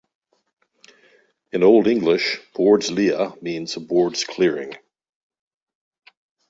In Old English "Bord's leah" means 'Bord's clearing'.